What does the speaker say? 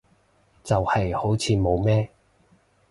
就係好似冇咩